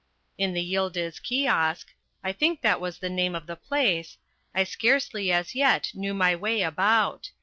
In the Yildiz Kiosk I think that was the name of the place I scarcely as yet knew my way about.